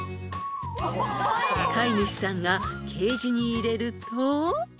［飼い主さんがケージに入れると］